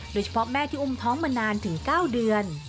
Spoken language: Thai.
โดยเฉพาะแม่ที่อุ้มท้องมานานถึง๙เดือน